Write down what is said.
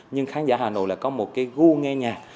nhưng khán giả hà nội lại có một cái gu nghe nhạc